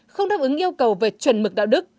không đáp ứng yêu cầu về chuẩn mực đạo đức